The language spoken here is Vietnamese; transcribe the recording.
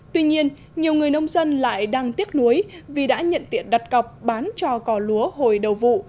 tuy nhiên nhiều người nông dân lại đang tiếc nuối vì đã nhận tiện đặt cọc bán cho cò lúa hồi đầu vụ